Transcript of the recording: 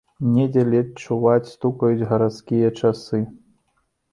Недзе ледзь чуваць стукаюць гарадскія часы.